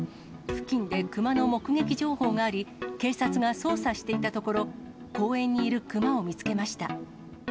付近で熊の目撃情報があり、警察が捜査していたところ、公園にいる熊を見つけました。